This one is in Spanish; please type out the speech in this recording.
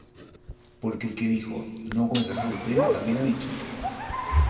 Porque el que dijo: No cometerás adulterio, también ha dicho: